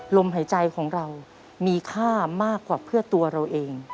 ลมหายใจของเรามีค่ามากกว่าเพื่อตัวเราเอง